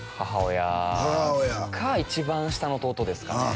母親か一番下の弟ですかね